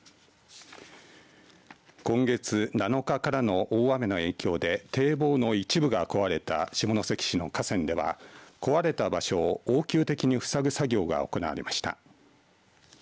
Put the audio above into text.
今月７日からの大雨の影響で堤防の一部が壊れた下関市の河川では壊れた場所を応急的にふさぐ作業が行われました。